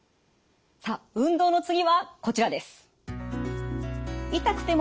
さあ運動の次はこちらです。